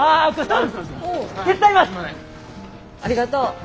ありがとう。